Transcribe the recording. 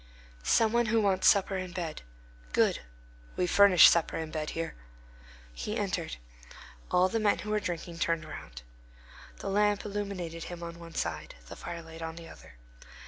"Some one who wants supper and bed." "Good. We furnish supper and bed here." He entered. All the men who were drinking turned round. The lamp illuminated him on one side, the firelight on the other.